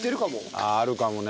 あああるかもね。